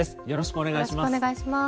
よろしくお願いします。